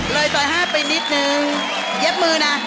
ซอย๕ไปนิดนึงเย็บมือนะ